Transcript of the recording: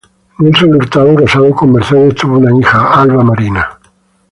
Nelson Hurtado, casado con Mercedes, tuvo una hija, Alba Marina.